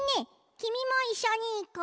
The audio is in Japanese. きみもいっしょにいこう。